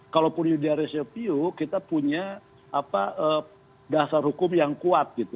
kalaupun judisiare piu kita punya dasar hukum yang kuat